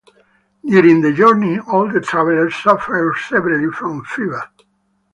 During the journey all the travelers suffered severely from fever.